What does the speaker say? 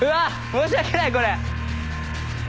申し訳ないこれ。